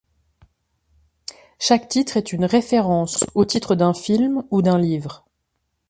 Chaque titre est une référence au titre d'un film ou d'un livre.